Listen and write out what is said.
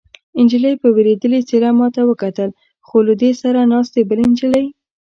نجلۍ په وېرېدلې څېره ما ته وکتل، خو له دې سره ناستې بلې نجلۍ.